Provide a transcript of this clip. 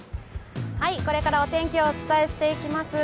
これからお天気をお伝えしていきます。